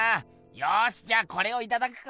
よしじゃこれをいただくか。